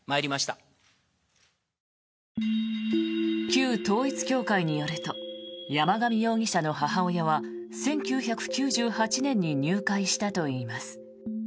旧統一教会によると山上容疑者の母親は１９９８年に入会したといいます。